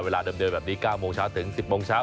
เวลาเดิมแบบนี้๙โมงเช้าถึง๑๐โมงเช้า